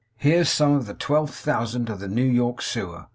Here's some of the twelfth thousand of the New York Sewer!